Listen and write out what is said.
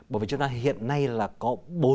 bởi vì chúng ta hiện nay là có bốn